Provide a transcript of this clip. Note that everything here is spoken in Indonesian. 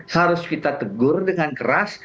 harus kita tegur dengan keras